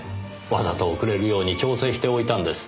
わざと遅れるように調整しておいたんです。